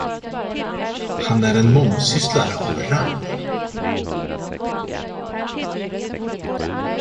Han är en mångsysslare av rang.